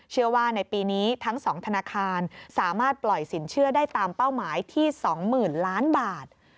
เชื่อว่าในปีนี้ทั้ง๒ธนาคารสามารถปล่อยสินเชื่อได้ตามเป้าหมายที่๒๐๐๐ล้านบาท